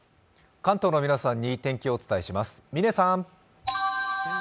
関東の皆さんに天気をお伝えします。